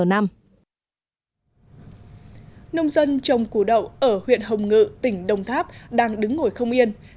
nông dân trong củ đậu ở huyện hồng ngự tỉnh đông tháp đang đứng ngồi không yên